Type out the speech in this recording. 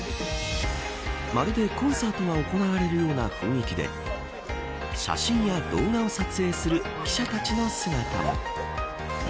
まるでコンサートが行われるような雰囲気で写真や動画を撮影する記者たちの姿も。